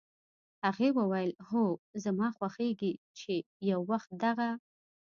هغې وویل: "هو، زما خوښېږي چې یو وخت دغه